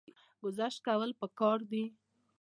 ګذشت کول پکار دي